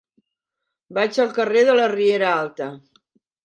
Vaig al carrer de la Riera Alta.